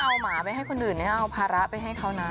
เอาหมาไปให้คนอื่นเอาภาระไปให้เขานะ